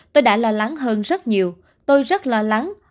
tôi đã lo lắng hơn rất nhiều tôi rất lo lắng